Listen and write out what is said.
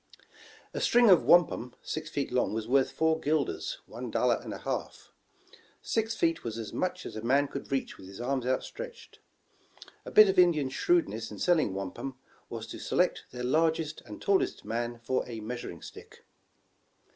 A string of wampum six feet long was worth four guilders (one dallar and a half.) Six feet was as much as a man could reach with his arms outstretched. A bit of Indian shrewdness in selling wampum, was to select their largest and tallest man for a measuring stick.